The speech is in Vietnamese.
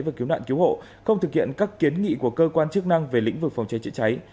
và cứu nạn cứu hộ không thực hiện các kiến nghị của cơ quan chức năng về lĩnh vực phòng cháy chữa cháy